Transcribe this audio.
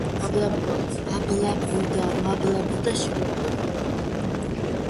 აბლაბუდა, მაბლაბუდა, შიგ ობობა გაბლანდულა